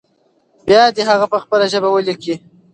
بيا دې هغه په خپله ژبه ولیکي.